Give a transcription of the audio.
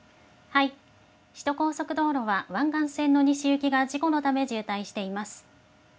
首都高速道路は湾岸線の西行きが事故のため渋滞しています。